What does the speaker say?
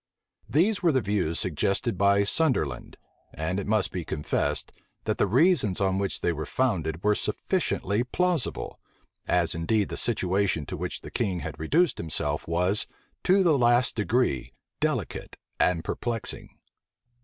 These were the views suggested by Sunderland, and it must be confessed, that the reasons on which they were founded were sufficiently plausible; as indeed the situation to which the king had reduced himself was, to the last degree, delicate and perplexing.